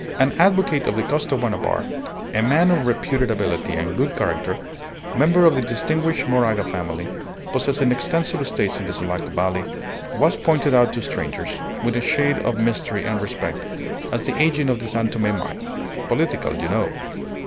An advocate of the Costaguana Bar, a man of reputed ability and good character, member of the distinguished Moraga family possessing extensive estates in the Sulaco Valley, was pointed out to strangers, with a shade of mystery and respect, as the agent of the San Tome mine "political, you know."